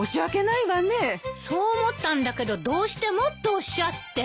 そう思ったんだけどどうしてもっておっしゃって。